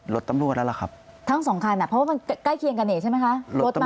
รถมาใกล้เคียงกันเอง